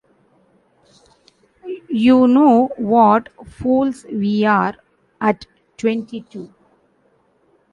You know what fools we are at twenty-two?